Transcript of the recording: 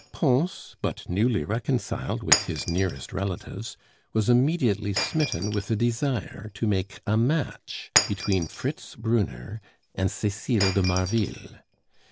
Pons, but newly reconciled with his nearest relatives, was immediately smitten with a desire to make a match between Fritz Brunner and Cecile de Marville.